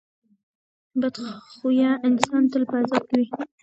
بد خویه انسان تل په عذاب کې وي.